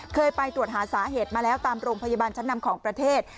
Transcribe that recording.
เคยไปตรวจหาสาเหตุมาแล้วตามโรงพยาบาลชั้นนำของประเทศ